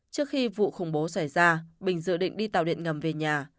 trước khi vụ khủng bố xảy ra bình dự định đi tàu điện ngầm về nhà